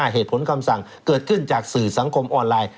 คำสั่งเกิดขึ้นจากสื่อสังคมออนไลน์